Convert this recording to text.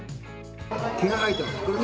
毛が生えています。